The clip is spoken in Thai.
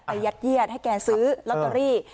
ยัดเยียดให้แกซื้อลอตเตอรี่